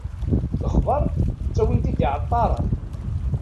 Lexbar, ttawin-t-id iεeṭṭaren.